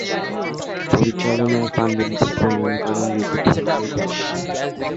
পরিচালনা ও পাণ্ডুলিপি প্রণয়ন করেন ঋতুপর্ণ ঘোষ।